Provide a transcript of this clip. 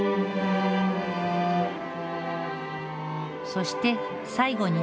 そして最後に。